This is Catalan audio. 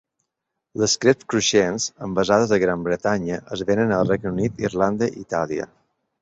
Les creps cruixents, envasades a Gran Bretanya, es venen al Regne Unit, Irlanda i Itàlia.